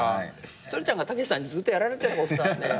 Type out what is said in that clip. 鶴ちゃんがたけしさんにずっとやられてたことなんで。